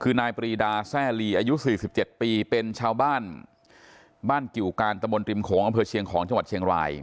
คือนายปรีดาแซ่ลีอายุ๔๗ปีเป็นชาวบ้านบ้านกิวการตะมนตริมโขงอำเภอเชียงของจังหวัดเชียงราย